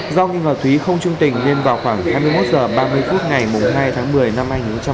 do nghi ngờ thúy không trung tình nên vào khoảng hai mươi một h ba mươi phút ngày hai tháng một mươi năm hai nghìn một mươi sáu